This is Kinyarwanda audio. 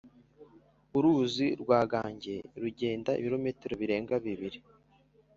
uruzi rwa gange rugenda ibirometero birenga bibiri